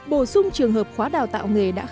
bổ sung trường hợp khóa đào tạo nghề đã khẳng định